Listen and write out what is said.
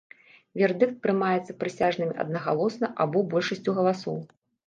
Вердыкт прымаецца прысяжнымі аднагалосна або большасцю галасоў.